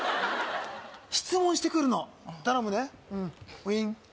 質問してくるの頼むねウィーン